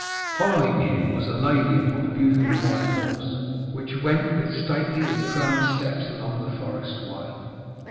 Following him was a lady upon a beautiful white horse, which went with stately and proud steps along the forest way.